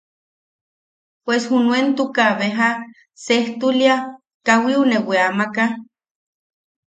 Pues junuentuka, beja sejtulia, kawiu ne weamaka.